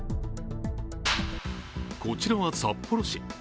こちらは札幌市。